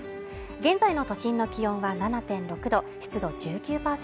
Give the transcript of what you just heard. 現在の都心の気温は７．６度湿度１９％